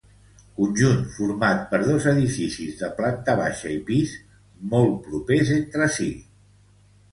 Conjunt format per dos edificis de planta baixa i pis, molt propers entre si.